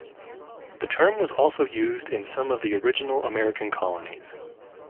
The term was also used in some of the original American colonies.